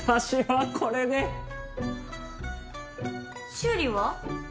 修理は？